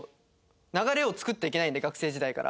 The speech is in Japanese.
流れを作っていけないんで学生時代から。